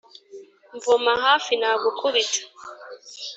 mvoma hafi nagukubita